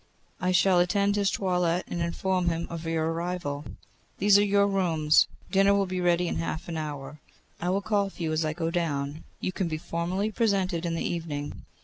'I shall attend his toilet and inform him of your arrival. These are your rooms. Dinner will be ready in half an hour. I will call for you as I go down. You can be formally presented in the evening.